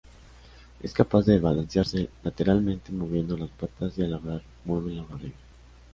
Es capaz de balancearse lateralmente moviendo las patas, y al hablar mueve la barriga.